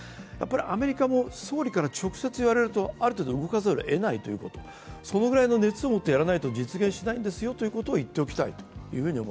アメリカも、総理から直接言われるとある程度、動かざるをえないということ、そのぐらいの熱を持ってやらないと実現しないんですよということを言っておきたい。